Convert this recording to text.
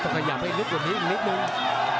ขยับให้ลึกกว่านี้อีกนิดนึง